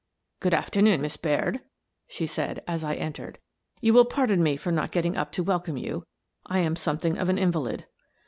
" Good afternoon, Miss Baird," she said, as I entered. " You will pardon me for not getting up to welcome you; I am something of an invalid."